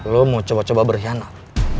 lo mau coba coba berkhianat